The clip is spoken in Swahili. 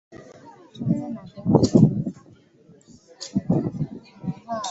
Kinjekitile alitokomea pasipojulikana na hadi leo haifahamiki shujaa huyo alizikwa wapi